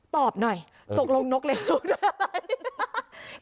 ตอบหน่อยตกลงนกเลี้ยงลูกด้วยอะไร